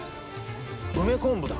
梅昆布だ。